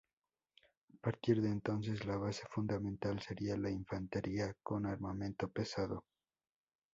A partir de entonces, la base fundamental sería la infantería con armamento pesado.